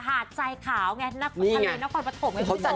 หาดใส่ขาวไงทะเลน้องคอนประถมไงพี่สายเชียร์